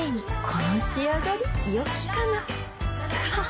この仕上がりよきかなははっ